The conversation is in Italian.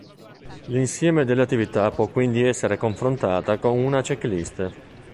L'insieme delle attività può quindi essere confrontata con una "checklist".